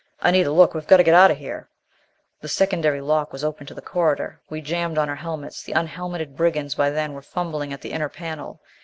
"Anita! Look! We've got to get out of here!" The secondary lock was open to the corridor. We jammed on our helmets. The unhelmeted brigands by then were fumbling at the inner panel.